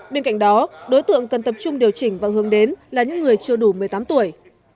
bên cạnh đó đối tượng cần tập trung điều chỉnh và hướng đến là những người chưa đủ một mươi tám tuổi